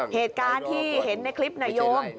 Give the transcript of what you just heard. เหตุการณ์ที่เห็นในคลิปน่ะโยม